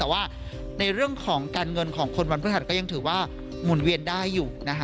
แต่ว่าในเรื่องของการเงินของคนวันพฤหัสก็ยังถือว่าหมุนเวียนได้อยู่นะคะ